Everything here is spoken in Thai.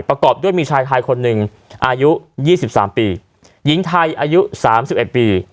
ประกอบด้วยมีชายไทยคนหนึ่งอายุยี่สิบสามปีหญิงไทยอายุสามสิบเอ็ดปี